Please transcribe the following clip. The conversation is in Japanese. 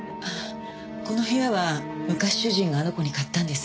この部屋は昔主人があの子に買ったんです。